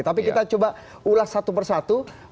tapi kita coba ulas satu persatu